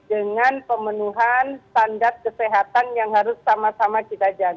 dengan pemenuhan standar kesehatan yang harus sama sama kita jaga